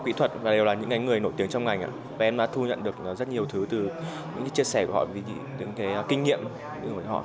kỹ thuật và đều là những người nổi tiếng trong ngành và em đã thu nhận được rất nhiều thứ từ những chia sẻ của họ những cái kinh nghiệm của họ